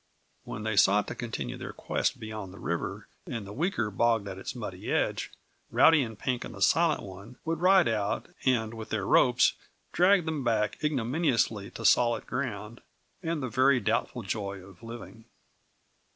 When they sought to continue their quest beyond the river, and the weaker bogged at its muddy edge, Rowdy and Pink and the Silent One would ride out, and with their ropes drag them back ignominiously to solid ground and the very doubtful joy of living.